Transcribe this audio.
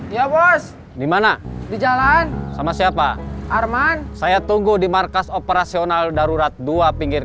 ya bos dimana di jalan sama siapa arman saya tunggu di markas operasional darurat dua pinggir